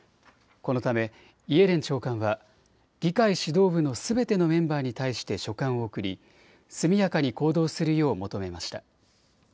このためイエレン長官は議会指導部のすべてのメンバーに対して書簡を送り、速やかに行動するよう求めました。